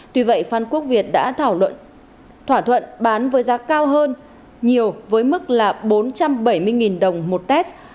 tuy vậy phan quốc việt đã thảo luận thỏa thuận bán với giá cao hơn nhiều với mức là bốn trăm bảy mươi đồng một test